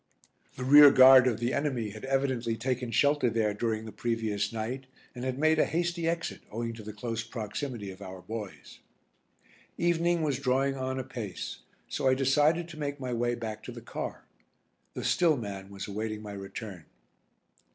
The rearguard of the enemy had evidently taken shelter there during the previous night and had made a hasty exit owing to the close proximity of our boys. Evening was drawing on apace, so I decided to make my way back to the car. The "still" man was awaiting my return.